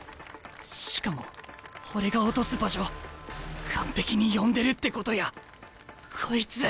しかも俺が落とす場所完璧に読んでるってことやこいつ！